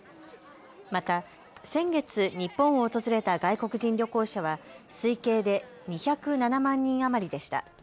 また先月、日本を訪れた外国人旅行者は推計で２０７万人余りでした。